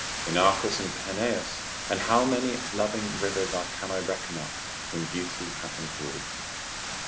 Inachus and Pineus, and how many loving rivers can I reckon up, whom beauty hath enthralled!